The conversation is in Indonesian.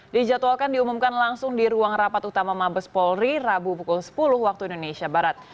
dijadwalkan diumumkan langsung di ruang rapat utama mabes polri rabu pukul sepuluh waktu indonesia barat